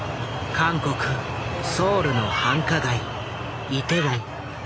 韓国・ソウルの繁華街イテウォン。